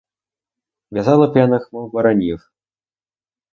В'язали п'яних, мов баранів.